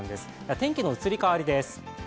天気の移り変わりです。